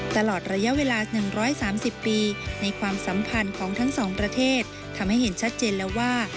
ตลอดระยะเวลา๑๓๐ปีในความสัมพันธ์ของทั้งสองประเทศทำให้เห็นชัดเจนแล้วว่า